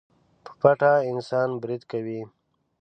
په پټه په انسان بريد کوي.